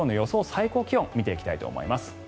最高気温見ていきたいと思います。